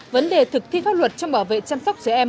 vấn đề thực thi pháp luật trong bảo vệ chăm sóc trẻ em